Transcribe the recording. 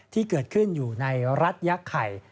ที่เกิดขึ้นอยู่ในรัฐยักษ์ไข่